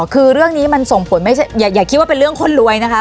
คือเรื่องนี้มันส่งผลไม่อย่าคิดว่าเป็นเรื่องคนรวยนะคะ